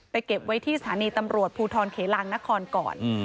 เก็บไว้ที่สถานีตำรวจภูทรเขลางนครก่อน